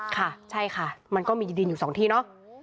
ค่ะใช่ค่ะมันก็มีดินอยู่สองที่เนาะ